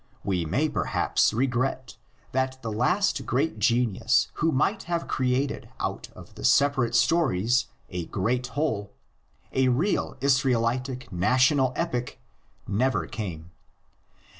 We may perhaps regret that the last great genius who might have created out of the separate stories a great whole, a real "Israelitic national epic," never came.